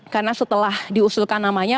karena setelah diusulkan namanya